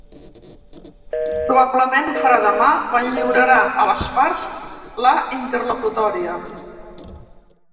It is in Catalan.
Probablement ho farà demà quan lliurarà a les parts la interlocutòria.